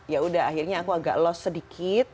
ya udah akhirnya aku agak loss sedikit